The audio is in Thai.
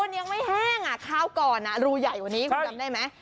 ยังไม่แห้งอ่ะข้าวก่อนอ่ะรูใหญ่กว่านี้คุณจำได้ไหม